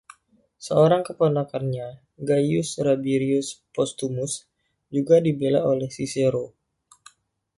Seorang keponakannya, Gaius Rabirius Postumus, juga dibela oleh Cicero.